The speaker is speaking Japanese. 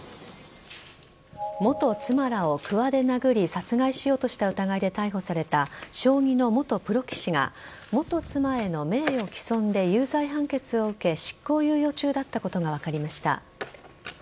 元妻らをくわで殴り殺害しようとした疑いで逮捕された将棋の元プロ棋士が元妻への名誉毀損で有罪判決を受け執行猶予中だったことが分かりました。